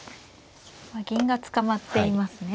銀が捕まっていますね。